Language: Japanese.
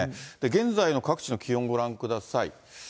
現在の各地の気温、ご覧ください。